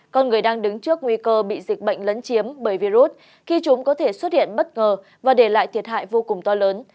con người đang đứng trước nguy cơ bị dịch bệnh lấn chiếm bởi virus khi chúng có thể xuất hiện bất ngờ và để lại thiệt hại vô cùng to lớn